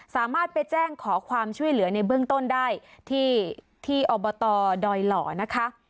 สามารถไปแจ้งขอความช่วยเหลือในเบื้องต้นได้ที่อบตดอยหล่อนะคะ